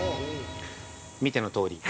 ◆見てのとおり。